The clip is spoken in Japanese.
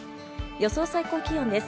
予想最高気温です。